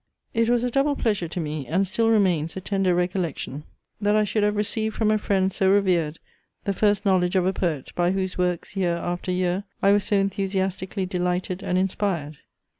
It was a double pleasure to me, and still remains a tender recollection, that I should have received from a friend so revered the first knowledge of a poet, by whose works, year after year, I was so enthusiastically delighted and inspired.